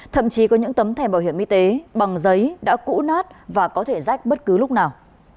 thậm chí có những tấm thẻ bảo hiểm y tế bằng giấy đã cũ nát và có thể rách bất cứ lúc nào